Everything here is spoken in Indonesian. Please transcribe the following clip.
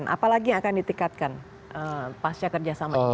apa lagi yang akan ditingkatkan pasca kerjasama ini